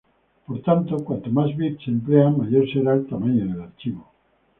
Por tanto, cuantos más bits se empleen mayor será el tamaño del archivo.